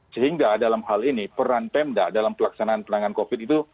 sehingga dalam hal ini peran pemda dalam pelaksanaan penanganan covid itu